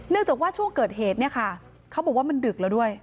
จากว่าช่วงเกิดเหตุเนี่ยค่ะเขาบอกว่ามันดึกแล้วด้วย